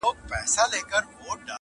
o له يوه سپاره دوړه نه خېژى٫